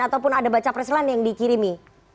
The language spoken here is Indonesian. ataupun ada baca preslan yang dikirimi